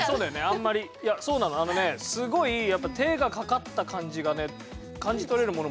あんまりいやそうなのあのねすごいやっぱ手がかかった感じがね感じ取れるものもあんの。